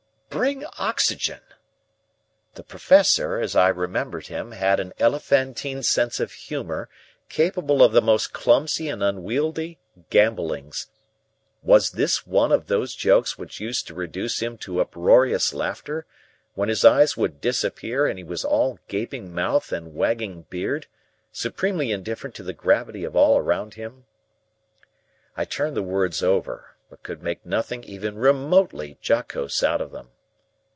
"Bring oxygen!" The Professor, as I remembered him, had an elephantine sense of humour capable of the most clumsy and unwieldly gambollings. Was this one of those jokes which used to reduce him to uproarious laughter, when his eyes would disappear and he was all gaping mouth and wagging beard, supremely indifferent to the gravity of all around him? I turned the words over, but could make nothing even remotely jocose out of them.